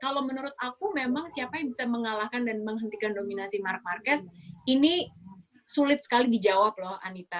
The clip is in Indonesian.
kalau menurut aku memang siapa yang bisa mengalahkan dan menghentikan dominasi mark marquez ini sulit sekali dijawab loh anita